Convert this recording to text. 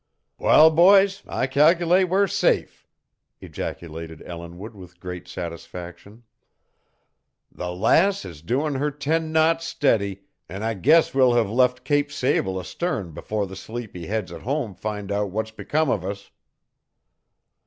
"Wal, boys, I cal'late we're safe!" ejaculated Ellinwood with great satisfaction. "The Lass is doin' her ten knot steady, an' I guess we'll have left Cape Sable astern afore the sleepy heads at home find out what's become of us."